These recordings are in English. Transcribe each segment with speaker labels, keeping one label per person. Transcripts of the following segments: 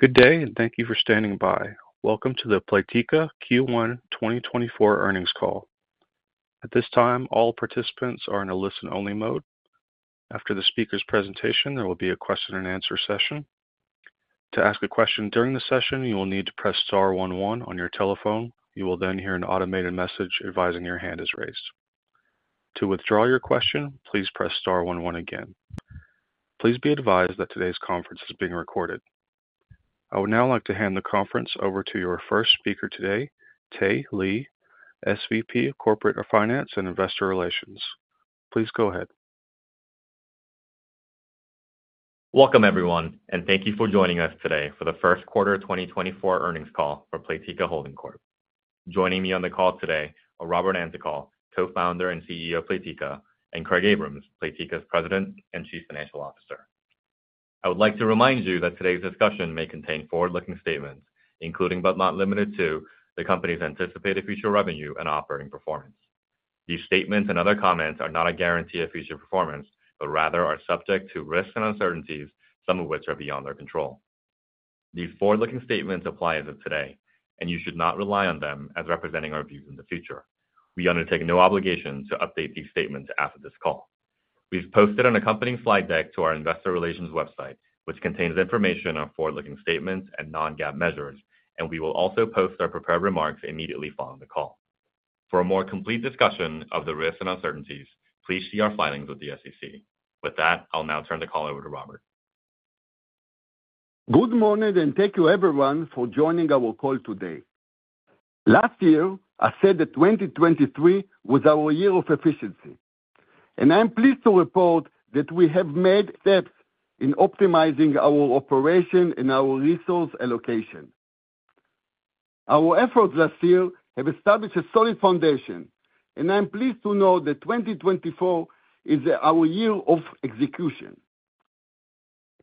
Speaker 1: Good day, and thank you for standing by. Welcome to the Playtika Q1 2024 Earnings Call. At this time, all participants are in a listen-only mode. After the speaker's presentation, there will be a question-and-answer session. To ask a question during the session, you will need to press star one one on your telephone. You will then hear an automated message advising your hand is raised. To withdraw your question, please press star one one again. Please be advised that today's conference is being recorded. I would now like to hand the conference over to your first speaker today, Tae Lee, SVP Corporate Finance and Investor Relations. Please go ahead.
Speaker 2: Welcome, everyone, and thank you for joining us today for the first quarter 2024 earnings call for Playtika Holding Corp. Joining me on the call today are Robert Antokol, Co-Founder and CEO of Playtika, and Craig Abrahams, Playtika's President and Chief Financial Officer. I would like to remind you that today's discussion may contain forward-looking statements, including but not limited to the company's anticipated future revenue and operating performance. These statements and other comments are not a guarantee of future performance but rather are subject to risks and uncertainties, some of which are beyond their control. These forward-looking statements apply as of today, and you should not rely on them as representing our views in the future. We undertake no obligation to update these statements after this call. We've posted an accompanying slide deck to our Investor Relations website, which contains information on forward-looking statements and non-GAAP measures, and we will also post our prepared remarks immediately following the call. For a more complete discussion of the risks and uncertainties, please see our filings with the SEC. With that, I'll now turn the call over to Robert.
Speaker 3: Good morning, and thank you, everyone, for joining our call today. Last year, I said that 2023 was our year of efficiency, and I'm pleased to report that we have made steps in optimizing our operation and our resource allocation. Our efforts last year have established a solid foundation, and I'm pleased to know that 2024 is our year of execution.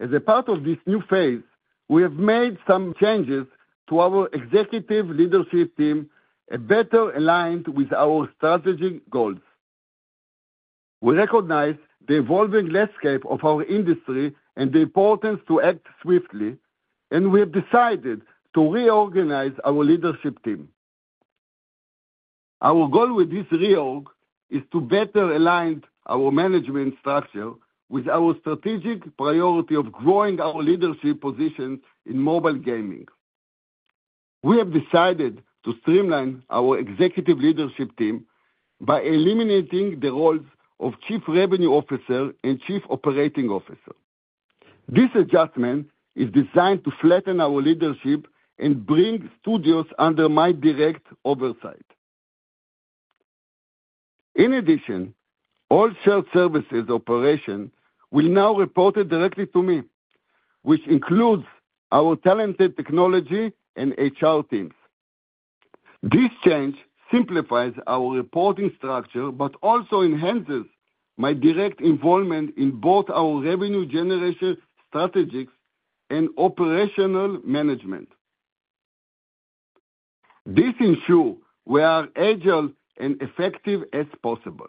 Speaker 3: As a part of this new phase, we have made some changes to our executive leadership team better aligned with our strategic goals. We recognize the evolving landscape of our industry and the importance to act swiftly, and we have decided to reorganize our leadership team. Our goal with this reorg is to better align our management structure with our strategic priority of growing our leadership position in mobile gaming. We have decided to streamline our executive leadership team by eliminating the roles of Chief Revenue Officer and Chief Operating Officer. This adjustment is designed to flatten our leadership and bring studios under my direct oversight. In addition, all shared services operations will now report directly to me, which includes our talented technology and HR teams. This change simplifies our reporting structure but also enhances my direct involvement in both our revenue generation strategies and operational management. This ensures we are as agile and effective as possible.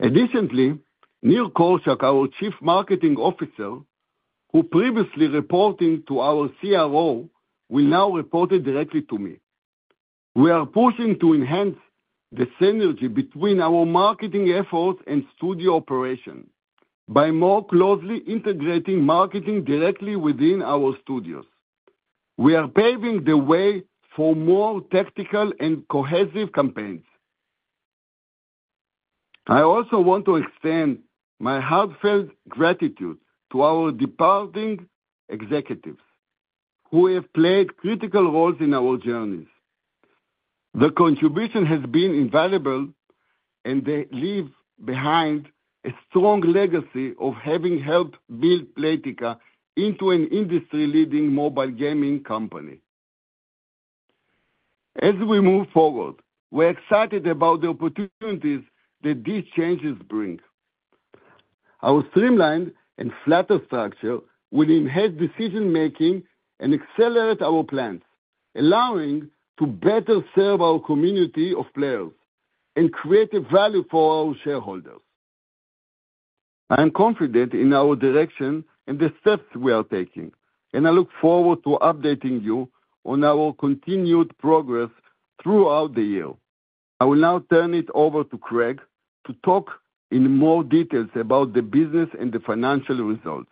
Speaker 3: Additionally, Nir Korczak, our Chief Marketing Officer, who previously reported to our CRO, will now report directly to me. We are pushing to enhance the synergy between our marketing efforts and studio operations by more closely integrating marketing directly within our studios. We are paving the way for more tactical and cohesive campaigns. I also want to extend my heartfelt gratitude to our departing executives, who have played critical roles in our journeys. Their contribution has been invaluable, and they leave behind a strong legacy of having helped build Playtika into an industry-leading mobile gaming company. As we move forward, we're excited about the opportunities that these changes bring. Our streamlined and flatter structure will enhance decision-making and accelerate our plans, allowing us to better serve our community of players and create value for our shareholders. I am confident in our direction and the steps we are taking, and I look forward to updating you on our continued progress throughout the year. I will now turn it over to Craig to talk in more details about the business and the financial results.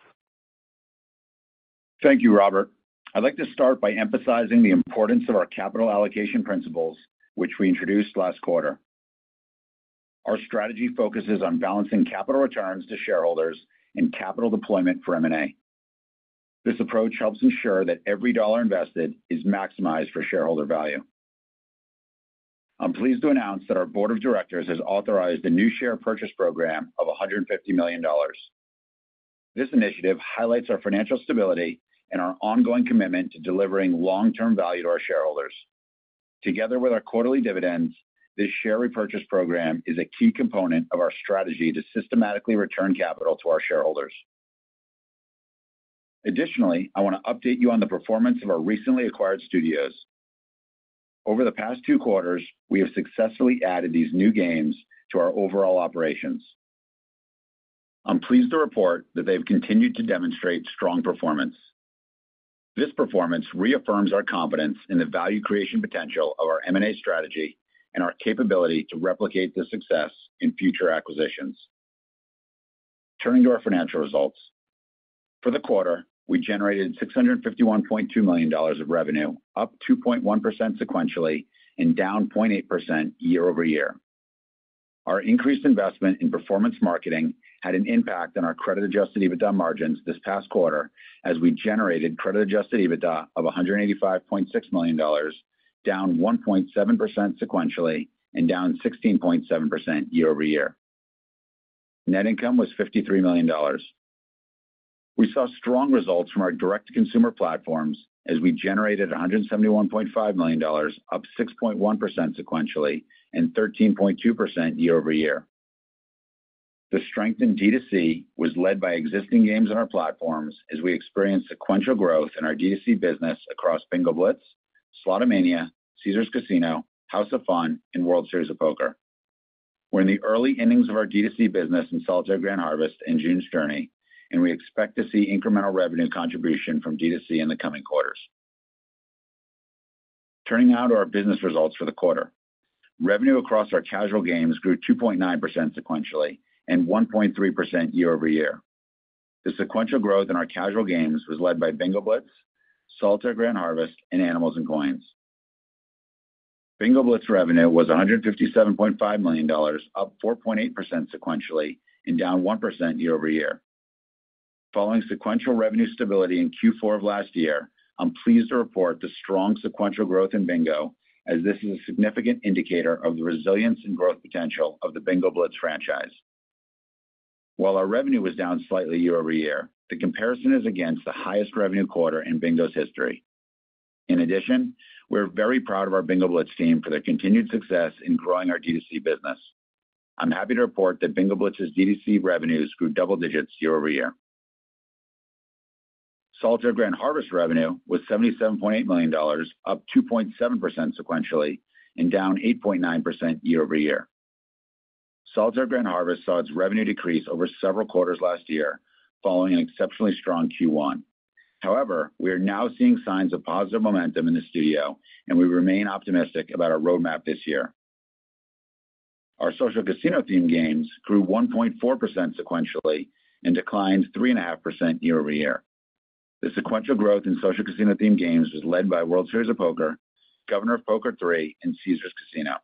Speaker 4: Thank you, Robert. I'd like to start by emphasizing the importance of our capital allocation principles, which we introduced last quarter. Our strategy focuses on balancing capital returns to shareholders and capital deployment for M&A. This approach helps ensure that every dollar invested is maximized for shareholder value. I'm pleased to announce that our board of directors has authorized a new share purchase program of $150 million. This initiative highlights our financial stability and our ongoing commitment to delivering long-term value to our shareholders. Together with our quarterly dividends, this share repurchase program is a key component of our strategy to systematically return capital to our shareholders. Additionally, I want to update you on the performance of our recently acquired studios. Over the past two quarters, we have successfully added these new games to our overall operations. I'm pleased to report that they've continued to demonstrate strong performance. This performance reaffirms our confidence in the value creation potential of our M&A strategy and our capability to replicate this success in future acquisitions. Turning to our financial results. For the quarter, we generated $651.2 million of revenue, up 2.1% sequentially and down 0.8% year-over-year. Our increased investment in performance marketing had an impact on our Credit-Adjusted EBITDA margins this past quarter as we generated Credit-Adjusted EBITDA of $185.6 million, down 1.7% sequentially and down 16.7% year-over-year. Net income was $53 million. We saw strong results from our direct-to-consumer platforms as we generated $171.5 million, up 6.1% sequentially and 13.2% year-over-year. The strength in D2C was led by existing games on our platforms as we experienced sequential growth in our D2C business across Bingo Blitz, Slotomania, Caesars Casino, House of Fun, and World Series of Poker. We're in the early innings of our D2C business in Solitaire Grand Harvest and June's Journey, and we expect to see incremental revenue contribution from D2C in the coming quarters. Turning now to our business results for the quarter. Revenue across our casual games grew 2.9% sequentially and 1.3% year-over-year. The sequential growth in our casual games was led by Bingo Blitz, Solitaire Grand Harvest, and Animals & Coins. Bingo Blitz revenue was $157.5 million, up 4.8% sequentially and down 1% year-over-year. Following sequential revenue stability in Q4 of last year, I'm pleased to report the strong sequential growth in Bingo as this is a significant indicator of the resilience and growth potential of the Bingo Blitz franchise. While our revenue was down slightly year-over-year, the comparison is against the highest revenue quarter in Bingo's history. In addition, we're very proud of our Bingo Blitz team for their continued success in growing our D2C business. I'm happy to report that Bingo Blitz's D2C revenues grew double digits year-over-year. Solitaire Grand Harvest revenue was $77.8 million, up 2.7% sequentially and down 8.9% year-over-year. Solitaire Grand Harvest saw its revenue decrease over several quarters last year following an exceptionally strong Q1. However, we are now seeing signs of positive momentum in the studio, and we remain optimistic about our roadmap this year. Our social casino-themed games grew 1.4% sequentially and declined 3.5% year-over-year. The sequential growth in social casino-themed games was led by World Series of Poker, Governor of Poker 3, and Caesars Casino.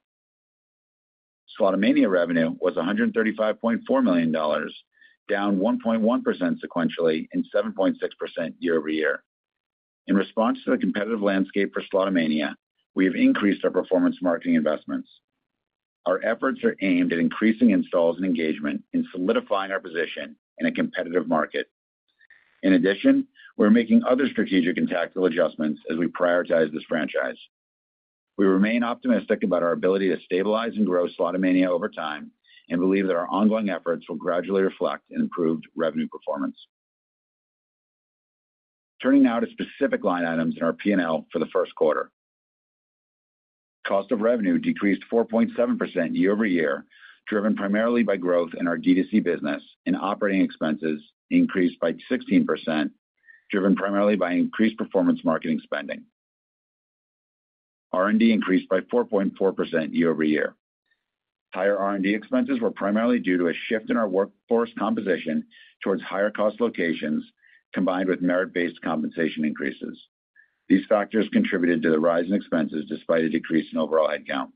Speaker 4: Slotomania revenue was $135.4 million, down 1.1% sequentially and 7.6% year-over-year. In response to the competitive landscape for Slotomania, we have increased our performance marketing investments. Our efforts are aimed at increasing installs and engagement and solidifying our position in a competitive market. In addition, we're making other strategic and tactical adjustments as we prioritize this franchise. We remain optimistic about our ability to stabilize and grow Slotomania over time and believe that our ongoing efforts will gradually reflect improved revenue performance. Turning now to specific line items in our P&L for the first quarter. Cost of revenue decreased 4.7% year-over-year, driven primarily by growth in our D2C business, and operating expenses increased by 16%, driven primarily by increased performance marketing spending. R&D increased by 4.4% year-over-year. Higher R&D expenses were primarily due to a shift in our workforce composition towards higher-cost locations, combined with merit-based compensation increases. These factors contributed to the rise in expenses despite a decrease in overall headcount.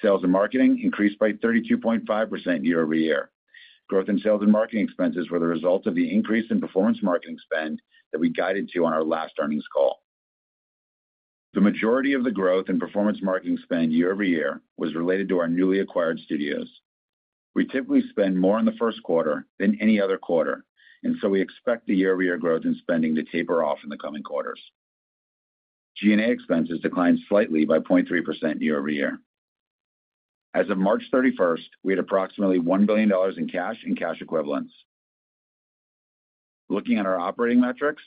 Speaker 4: Sales and marketing increased by 32.5% year-over-year. Growth in sales and marketing expenses was the result of the increase in performance marketing spend that we guided to on our last earnings call. The majority of the growth in performance marketing spend year-over-year was related to our newly acquired studios. We typically spend more in the first quarter than any other quarter, and so we expect the year-over-year growth in spending to taper off in the coming quarters. G&A expenses declined slightly by 0.3% year-over-year. As of March 31st, we had approximately $1 billion in cash and cash equivalents. Looking at our operating metrics,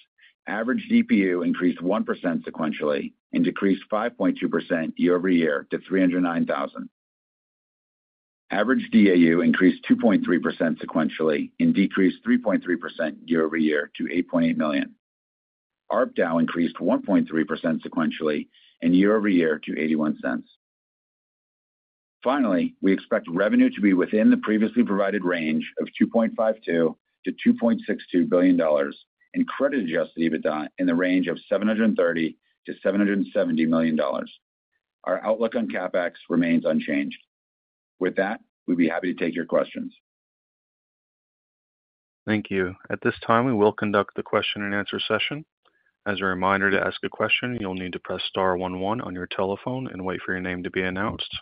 Speaker 4: average DPU increased 1% sequentially and decreased 5.2% year-over-year to 309,000. Average DAU increased 2.3% sequentially and decreased 3.3% year-over-year to 8.8 million. ARPDAU increased 1.3% sequentially and year-over-year to $0.81. Finally, we expect revenue to be within the previously provided range of $2.52-$2.62 billion and Credit-Adjusted EBITDA in the range of $730-$770 million. Our outlook on Capex remains unchanged. With that, we'd be happy to take your questions.
Speaker 1: Thank you. At this time, we will conduct the question-and-answer session. As a reminder, to ask a question, you'll need to press star one one on your telephone and wait for your name to be announced.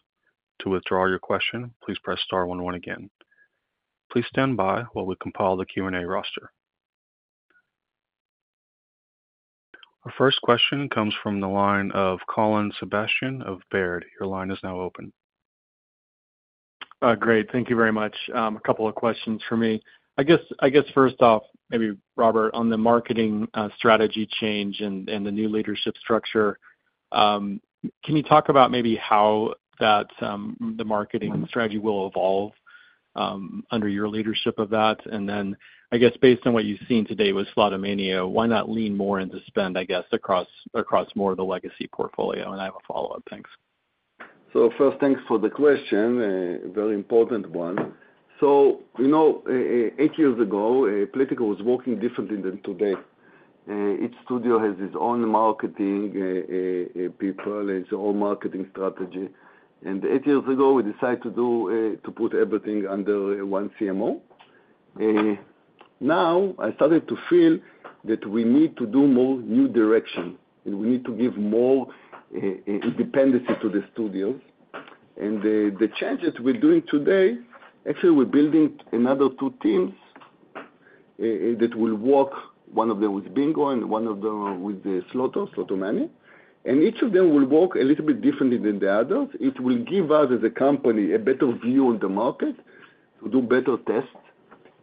Speaker 1: To withdraw your question, please press star one one again. Please stand by while we compile the Q&A roster. Our first question comes from the line of Colin Sebastian of Baird. Your line is now open.
Speaker 5: Great. Thank you very much. A couple of questions for me. I guess first off, maybe, Robert, on the marketing strategy change and the new leadership structure, can you talk about maybe how the marketing strategy will evolve under your leadership of that? And then, I guess, based on what you've seen today with Slotomania, why not lean more into spend, I guess, across more of the legacy portfolio? And I have a follow-up. Thanks.
Speaker 3: So first, thanks for the question. A very important one. So eight years ago, Playtika was working differently than today. Each studio has its own marketing people, its own marketing strategy. Eight years ago, we decided to put everything under one CMO. Now, I started to feel that we need to do more new direction, and we need to give more independency to the studios. The change that we're doing today, actually, we're building another two teams that will work, one of them with Bingo and one of them with Slotomania Slotomania. Each of them will work a little bit differently than the others. It will give us, as a company, a better view on the market to do better tests.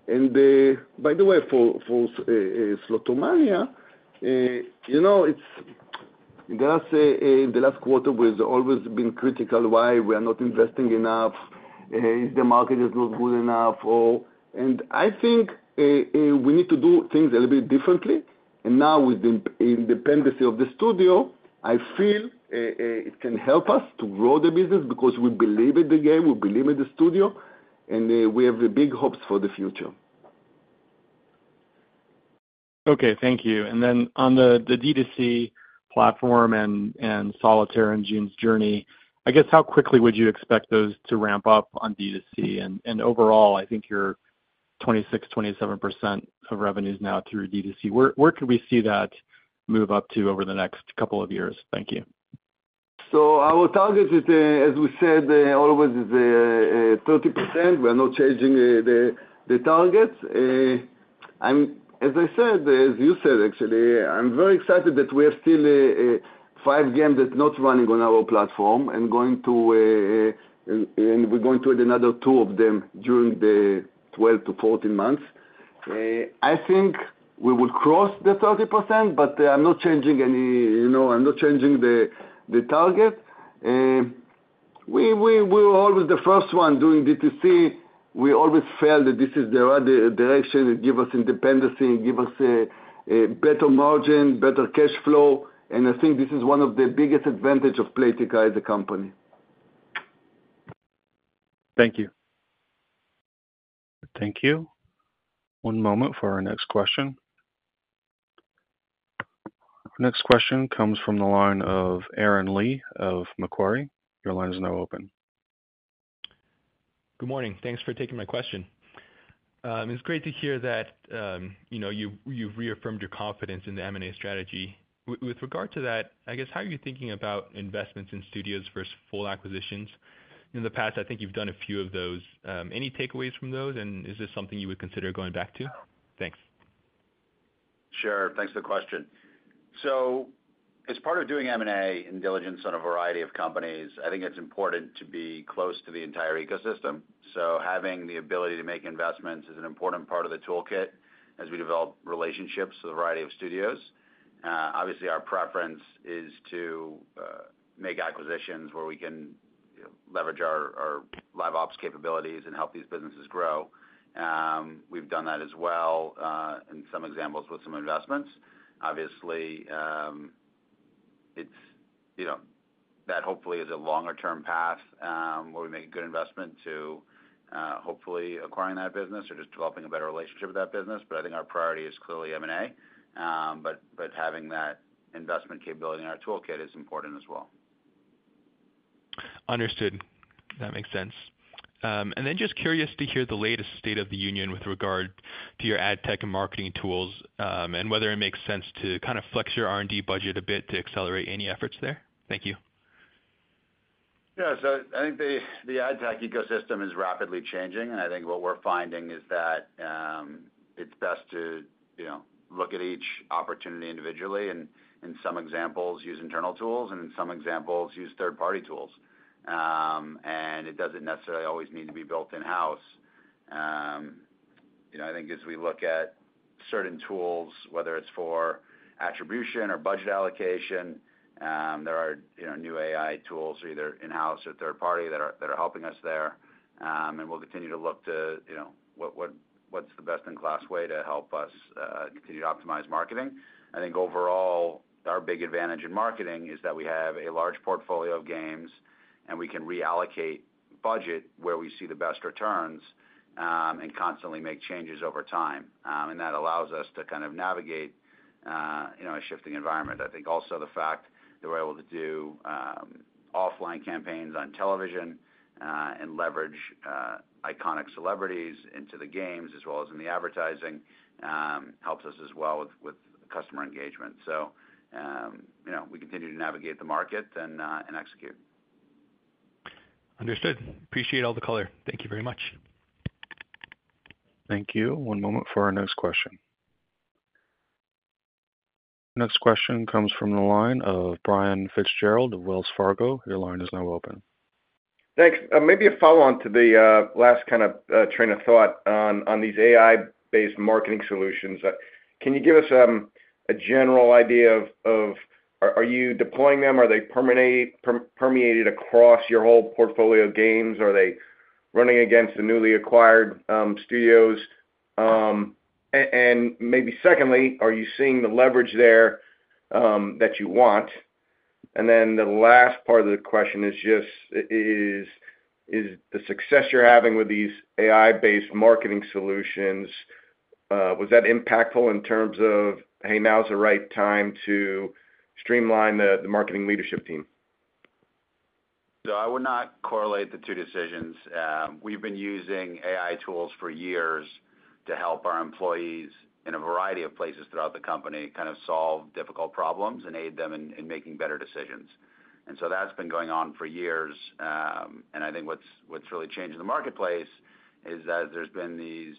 Speaker 3: And by the way, for Slotomania, in the last quarter, we've always been critical why we are not investing enough, if the market is not good enough. And I think we need to do things a little bit differently. And now, with the independency of the studio, I feel it can help us to grow the business because we believe in the game, we believe in the studio, and we have big hopes for the future.
Speaker 5: Okay. Thank you. And then on the D2C platform and Solitaire and June's Journey, I guess how quickly would you expect those to ramp up on D2C? And overall, I think you're 26%-27% of revenues now through D2C. Where could we see that move up to over the next couple of years? Thank you.
Speaker 3: So our target is, as we said, always 30%. We are not changing the targets. As I said, as you said, actually, I'm very excited that we have still five games that are not running on our platform and going to and we're going to add another two of them during the 12-14 months. I think we will cross the 30%, but I'm not changing any I'm not changing the target. We were always the first one doing D2C. We always felt that this is the right direction. It gives us independence, gives us better margin, better cash flow. I think this is one of the biggest advantages of Playtika as a company.
Speaker 5: Thank you.
Speaker 1: Thank you. One moment for our next question. Our next question comes from the line of Aaron Lee of Macquarie. Your line is now open.
Speaker 6: Good morning. Thanks for taking my question. It's great to hear that you've reaffirmed your confidence in the M&A strategy. With regard to that, I guess how are you thinking about investments in studios versus full acquisitions? In the past, I think you've done a few of those. Any takeaways from those, and is this something you would consider going back to? Thanks.
Speaker 4: Sure. Thanks for the question. So as part of doing M&A and diligence on a variety of companies, I think it's important to be close to the entire ecosystem. So having the ability to make investments is an important part of the toolkit as we develop relationships with a variety of studios. Obviously, our preference is to make acquisitions where we can leverage our live ops capabilities and help these businesses grow. We've done that as well in some examples with some investments. Obviously, that hopefully is a longer-term path where we make a good investment to hopefully acquiring that business or just developing a better relationship with that business. But I think our priority is clearly M&A. But having that investment capability in our toolkit is important as well.
Speaker 6: Understood. That makes sense. And then just curious to hear the latest state of the union with regard to your ad tech and marketing tools and whether it makes sense to kind of flex your R&D budget a bit to accelerate any efforts there. Thank you.
Speaker 4: Yeah. So I think the ad tech ecosystem is rapidly changing. And I think what we're finding is that it's best to look at each opportunity individually and, in some examples, use internal tools, and in some examples, use third-party tools. And it doesn't necessarily always need to be built in-house. I think as we look at certain tools, whether it's for attribution or budget allocation, there are new AI tools either in-house or third-party that are helping us there. And we'll continue to look to what's the best-in-class way to help us continue to optimize marketing. I think overall, our big advantage in marketing is that we have a large portfolio of games, and we can reallocate budget where we see the best returns and constantly make changes over time. And that allows us to kind of navigate a shifting environment. I think also the fact that we're able to do offline campaigns on television and leverage iconic celebrities into the games as well as in the advertising helps us as well with customer engagement. So we continue to navigate the market and execute.
Speaker 6: Understood. Appreciate all the color. Thank you very much.
Speaker 1: Thank you. One moment for our next question. Next question comes from the line of Brian Fitzgerald of Wells Fargo. Your line is now open.
Speaker 7: Thanks. Maybe a follow-on to the last kind of train of thought on these AI-based marketing solutions. Can you give us a general idea of are you deploying them? Are they permeated across your whole portfolio of games? Are they running against the newly acquired studios? And maybe secondly, are you seeing the leverage there that you want? And then the last part of the question is just, is the success you're having with these AI-based marketing solutions, was that impactful in terms of, "Hey, now's the right time to streamline the marketing leadership team"?
Speaker 4: So I would not correlate the two decisions. We've been using AI tools for years to help our employees in a variety of places throughout the company kind of solve difficult problems and aid them in making better decisions. And so that's been going on for years. I think what's really changed in the marketplace is that as there's been these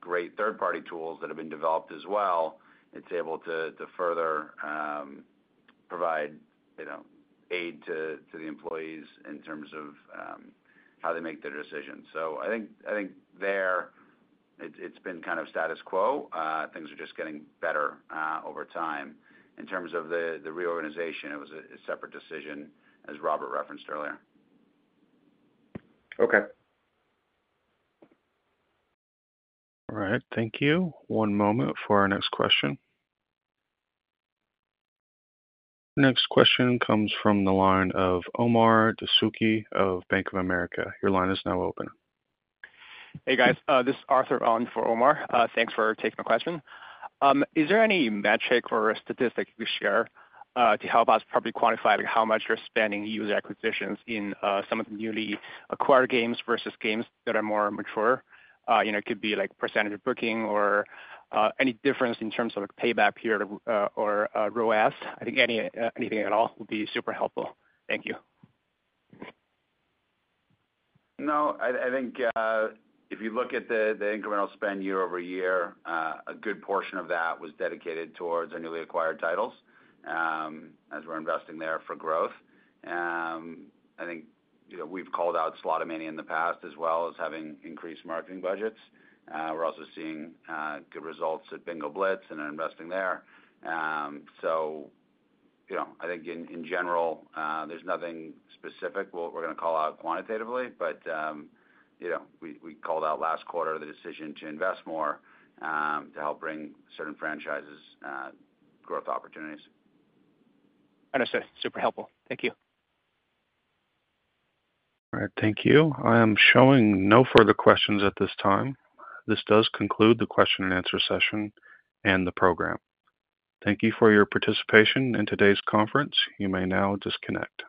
Speaker 4: great third-party tools that have been developed as well, it's able to further provide aid to the employees in terms of how they make their decisions. I think there, it's been kind of status quo. Things are just getting better over time. In terms of the reorganization, it was a separate decision, as Robert referenced earlier.
Speaker 7: Okay.
Speaker 1: All right. Thank you. One moment for our next question. Next question comes from the line of Omar Dessouky of Bank of America. Your line is now open.
Speaker 8: Hey, guys. This is Arthur on for Omar. Thanks for taking my question. Is there any metric or a statistic you could share to help us probably quantify how much you're spending user acquisitions in some of the newly acquired games versus games that are more mature? It could be percentage of booking or any difference in terms of payback period or ROAS. I think anything at all would be super helpful. Thank you.
Speaker 4: No. I think if you look at the incremental spend year over year, a good portion of that was dedicated towards our newly acquired titles as we're investing there for growth. I think we've called out Slotomania in the past as well as having increased marketing budgets. We're also seeing good results at Bingo Blitz and are investing there. So I think in general, there's nothing specific we're going to call out quantitatively. But we called out last quarter the decision to invest more to help bring certain franchises growth opportunities.
Speaker 8: Understood. Super helpful. Thank you.
Speaker 1: All right. Thank you. I am showing no further questions at this time. This does conclude the question-and-answer session and the program. Thank you for your participation in today's conference. You may now disconnect.